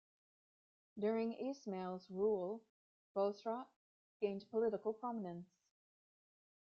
During Ismail's rule, Bosra gained political prominence.